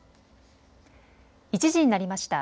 １時になりました。